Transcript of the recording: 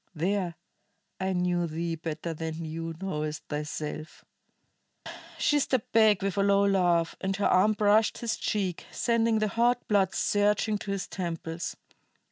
There, I knew thee better than thou knowest thyself." She stepped back with a low laugh, and her arm brushed his cheek, sending the hot blood surging to his temples.